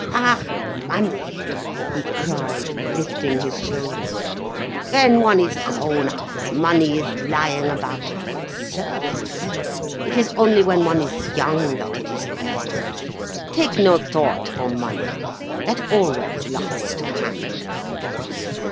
"Ach, money!" he cried, lifting his shoulders. "When one is grown up, money is lying about at one's service. It is only when one is young that it is rare. Take no thought for money—that always lies to hand."